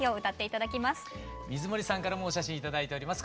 水森さんからもお写真頂いております。